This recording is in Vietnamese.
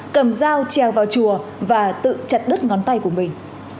cầm dao trèo vào chùa và tự chặt đứt ngón tay của mình